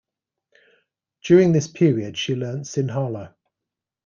During this period she learnt Sinhala.